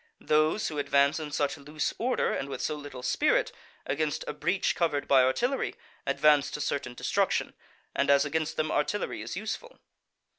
Those who advance in such loose order, and with so little spirit, against a breach covered by artillery, advance to certain destruction, and as against them artillery is useful.